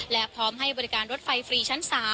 และพร้อมให้บริการรถไฟฟรีชั้น๓